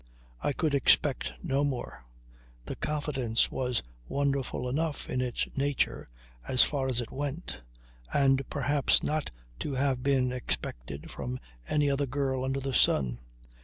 I could expect no more. The confidence was wonderful enough in its nature as far as it went, and perhaps not to have been expected from any other girl under the sun.